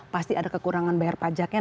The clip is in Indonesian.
pasti ada kekurangan bayar pajaknya